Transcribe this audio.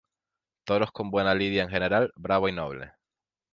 Toros con buena lidia en general, bravo y noble.